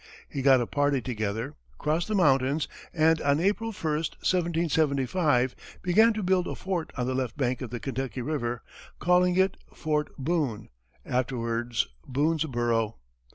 He got a party together, crossed the mountains, and on April 1, 1775, began to build a fort on the left bank of the Kentucky river, calling it Fort Boone, afterwards Boonesborough.